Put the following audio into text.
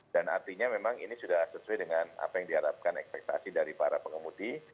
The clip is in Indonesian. dan artinya memang ini sudah sesuai dengan apa yang diharapkan ekspektasi dari para pengemudi